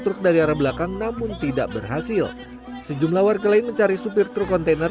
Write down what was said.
truk dari arah belakang namun tidak berhasil sejumlah warga lain mencari supir truk kontainer